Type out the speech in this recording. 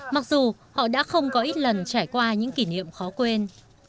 mặc dù họ đã không có ít lần trải qua những kỷ niệm khó quên